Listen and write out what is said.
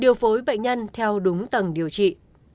điều phối bệnh nhân theo đúng tầng điều trị